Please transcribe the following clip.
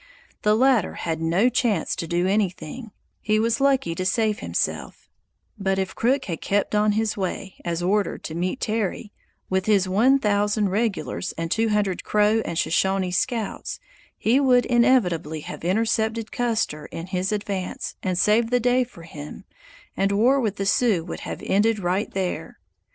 The latter had no chance to do anything, he was lucky to save himself; but if Crook had kept on his way, as ordered, to meet Terry, with his one thousand regulars and two hundred Crow and Shoshone scouts, he would inevitably have intercepted Custer in his advance and saved the day for him, and war with the Sioux would have ended right there.